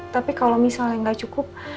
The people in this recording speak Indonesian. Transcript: tapi kalau misalnya nggak cukup